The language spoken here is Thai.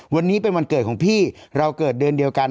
วันนี้เป็นวันเกิดของพี่เราเกิดเดือนเดียวกัน